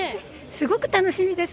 すごく楽しみです。